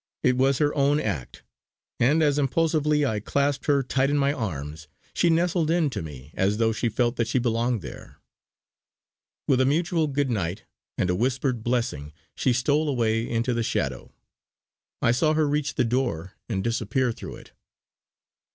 It was her own act, and as impulsively I clasped her tight in my arms, she nestled in to me as though she felt that she belonged there. With a mutual 'good night' and a whispered blessing she stole away into the shadow. I saw her reach the door and disappear through it.